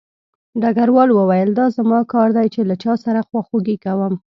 ډګروال وویل دا زما کار دی چې له چا سره خواخوږي کوم